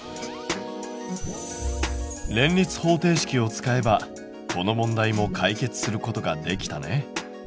連立方程式を使えばこの問題も解決することができたね。